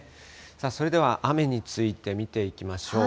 さあ、それでは雨について見ていきましょう。